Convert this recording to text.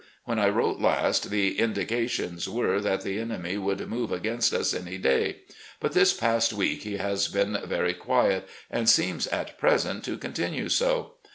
When I wrote last, the indications were that the enemy would move against us any day; but this past week he has been very quiet, and seems at present to continue so.